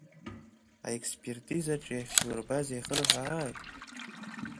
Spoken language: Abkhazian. Аекспертизаҿы иахьдурбаз иахырҳәааи?